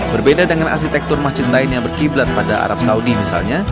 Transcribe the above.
berbeda dengan arsitektur masjid lain yang berkiblat pada arab saudi misalnya